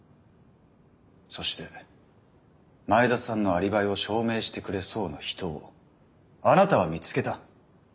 そして前田さんのアリバイを証明してくれそうな人をあなたは見つけた。